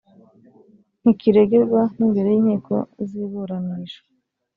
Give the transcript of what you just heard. ntikiregerwa n imbere y inkiko ziburanisha